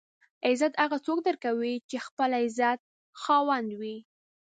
عزت هغه څوک درکوي چې خپله د عزت خاوند وي.